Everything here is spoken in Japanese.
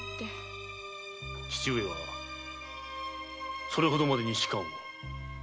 父上はそれほどまでに仕官を？